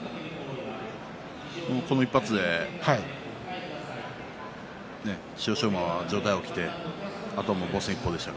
この１発で千代翔馬は上体が起きてあとは防戦一方でした。